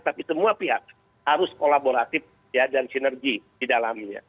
tapi semua pihak harus kolaboratif dan sinergi di dalamnya